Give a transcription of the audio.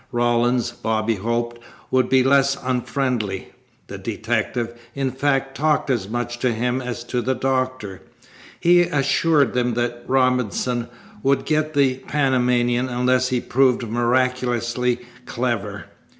Rawlins, Bobby hoped, would be less unfriendly. The detective, in fact, talked as much to him as to the doctor. He assured them that Robinson would get the Panamanian unless he proved miraculously clever.